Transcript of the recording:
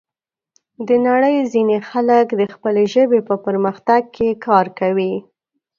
د نړۍ ځینې خلک د خپلې ژبې په پرمختګ کې کار کوي.